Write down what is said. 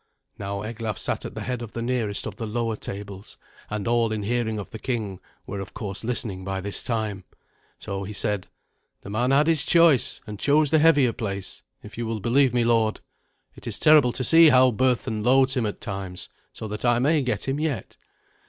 Now Eglaf sat at the head of the nearest of the lower tables, and all in hearing of the king were of course listening by this time. So he said, "The man had his choice, and chose the heavier place, if you will believe me, lord. It is terrible to see how Berthun loads him at times; so that I may get him yet."